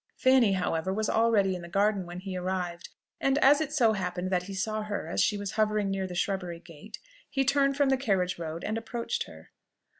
Fanny, however, was already in the garden when he arrived; and as it so happened that he saw her as she was hovering near the shrubbery gate, he turned from the carriage road and approached her.